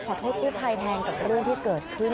ขอโทษพี่ภัยแทนกับเรื่องที่เกิดขึ้น